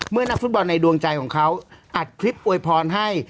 นักฟุตบอลในดวงใจของเขาอัดคลิปอวยพรให้